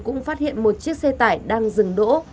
cũng phát hiện một chiếc xe tải đang dừng đỗ